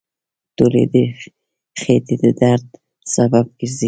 ټولې د خېټې د درد سبب ګرځي.